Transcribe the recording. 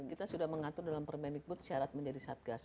kita sudah mengatur dalam permainan ikut syarat menjadi satgas